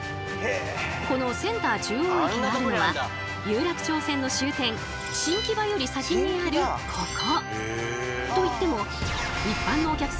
このセンター中央駅があるのは有楽町線の終点新木場より先にあるここ。